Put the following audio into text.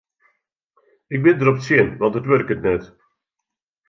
Ik bin derop tsjin want it wurket net.